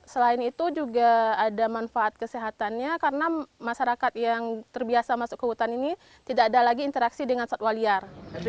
selain itu juga ada manfaat kesehatannya karena masyarakat yang terbiasa masuk ke hutan ini tidak ada lagi interaksi dengan satwa liar